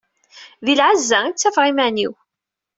Di lɛezza i ttafeɣ iman-iw.